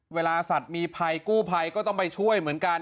เวลาสัตว์มีภัยกู้ภัยก็ต้องไปช่วยเหมือนกัน